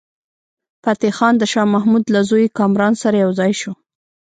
فتح خان د شاه محمود له زوی کامران سره یو ځای شو.